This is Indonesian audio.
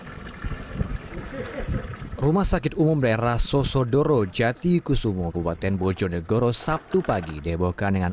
hai rumah sakit umum daerah sosodoro jati kusumu kebuatan bojonegoro sabtu pagi dibawakan dengan